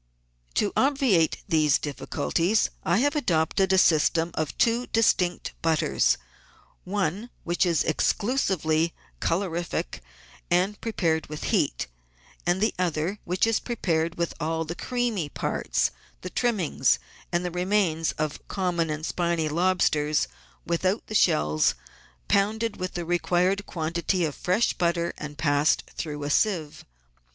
To obviate these difficulties I have adopted a system of two distinct butters, one which is exclusively colorific and prepared with heat, and the other which is prepared with all the creamy parts, the trimmings and the remains of com mon and spiny lobsters, without the shells, pounded with the re quired quantity of fresh butter and passed through a sieve.